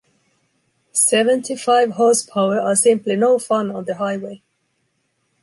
Seventy-five horsepower are simply no fun on the highway!